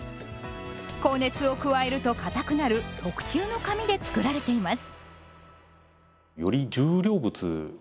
高熱を加えると硬くなる特注の紙で作られています。